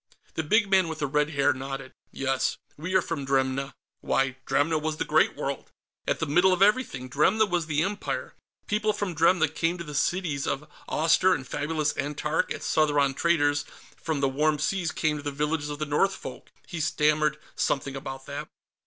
The big man with the red hair nodded. "Yes. We are from Dremna." Why, Dremna was the Great World, at the middle of everything! Dremna was the Empire. People from Dremna came to the cities of Awster and fabulous Antark as Southron traders from the Warm Seas came to the villages of the Northfolk. He stammered something about that.